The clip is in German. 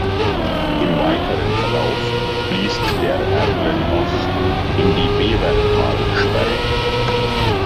Im weiteren Verlauf fließt der Erlenbach in die Bevertalsperre.